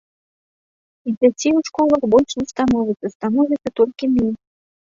І дзяцей у школах больш не становіцца, становіцца толькі меней.